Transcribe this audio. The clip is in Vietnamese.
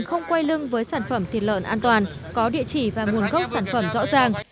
không quay lưng với sản phẩm thịt lợn an toàn có địa chỉ và nguồn gốc sản phẩm rõ ràng